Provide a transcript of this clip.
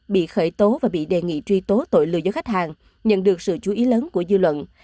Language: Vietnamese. bị khởi tố và bị đề nghị truy tố tội lừa dối khách hàng nhận được sự chú ý lớn của dư luận